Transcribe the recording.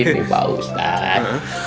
ini pak ustad